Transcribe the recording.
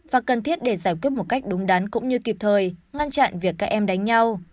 và cần thiết để giải quyết một cách đúng đắn cũng như kịp thời ngăn chặn việc các em đánh nhau